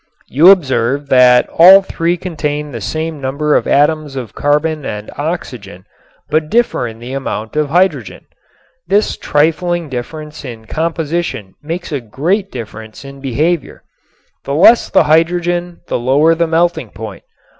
You observe that all three contain the same number of atoms of carbon and oxygen but differ in the amount of hydrogen. This trifling difference in composition makes a great difference in behavior. The less the hydrogen the lower the melting point.